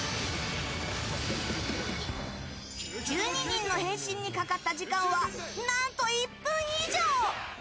１２人の変身にかかった時間は何と１分以上。